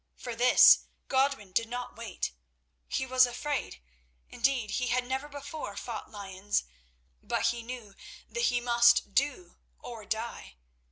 For this Godwin did not wait. He was afraid, indeed, who had never before fought lions, but he knew that he must do or die.